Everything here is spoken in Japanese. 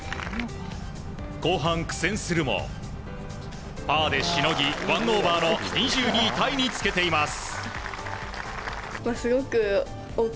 後半、苦戦するもパーでしのぎ１オーバーの２２位タイにつけています。